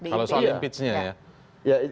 kalau soal impejnya ya